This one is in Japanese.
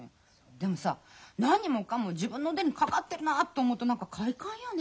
でもさ何もかも自分の手にかかってるなと思うと何か快感よね。